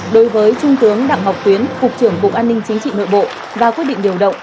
đối với trung tướng đặng ngọc tuyến cục trưởng bộ an ninh chính trị nội bộ và quyết định điều động